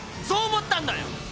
そう思ったんだよ！